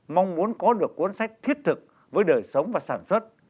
mong muốn có được cuốn sách thiết thực với đời sống và sản xuất